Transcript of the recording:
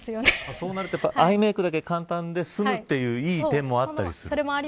そうなるとアイメークだけ簡単で済むという意見もあったりする。